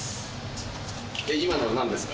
今のはなんですか？